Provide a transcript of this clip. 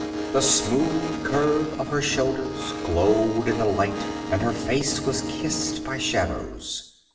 The smooth curve of her shoulders glowed in the light and her face was kissed by shadows.